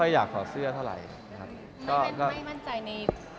ไม่มั่นใจในศรีราหรือ